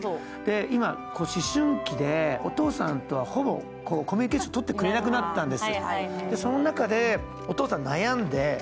今、思春期でお父さんとはほぼコミュニケーションとってくれなくなったんです。